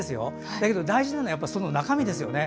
だけど大事なのはその中身ですよね。